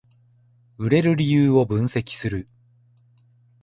売れる理由を分析する